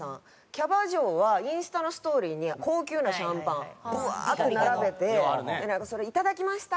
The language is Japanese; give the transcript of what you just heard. キャバ嬢はインスタのストーリーに高級なシャンパンブワーッて並べて「いただきました！